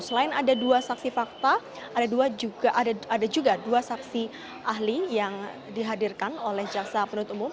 selain ada dua saksi fakta ada juga dua saksi ahli yang dihadirkan oleh jaksa penuntut umum